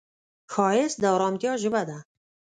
ښایست د ارامتیا ژبه ده